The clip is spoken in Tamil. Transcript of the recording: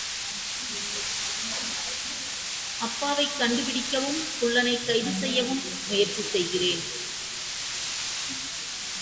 அப்பாவைக் கண்டுபிடிக்கவும், குள்ளனைக் கைது செய்யவும் முயற்சி செய்கிறேன்.